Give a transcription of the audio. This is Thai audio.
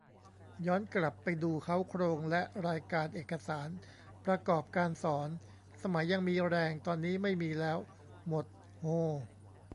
ย้อนกลับไปดูเค้าโครงและรายการเอกสารประกอบการสอน สมัยยังมีแรง ตอนนี้ไม่มีแล้ว หมด โฮ